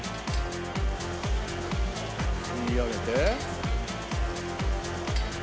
吸い上げて。